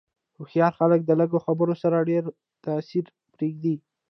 هوښیار خلک د لږو خبرو سره ډېر تاثیر پرېږدي.